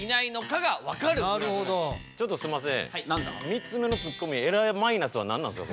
３つ目のツッコミえらいマイナスは何なんですか？